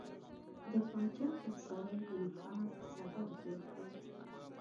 د پاچا خودسرۍ د نفاق سبب جوړ کړ.